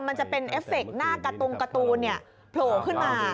มันจะเป็นเอฟเฟคหน้ากระตุงการ์ตูนโผล่ขึ้นมา